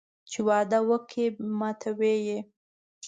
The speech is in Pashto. چې وعده وکړي ماتوي یې